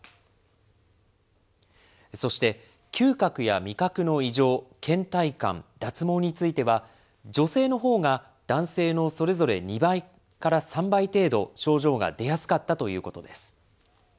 そして、嗅覚や味覚の異常、けん怠感、脱毛については、女性のほうが男性のそれぞれ２倍から３倍程度、症状が出やすかったということです。